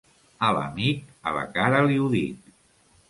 A l'amic, a la cara li ho dic.